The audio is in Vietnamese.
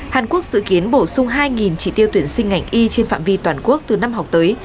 hàn quốc dự kiến bổ sung hai chỉ tiêu tuyển sinh ngành y trên phạm vi toàn quốc từ năm học tới